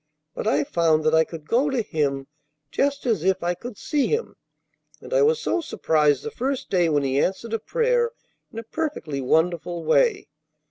But I found that I could go to Him just as if I could see Him, and I was so surprised the first day when He answered a prayer in a perfectly wonderful way.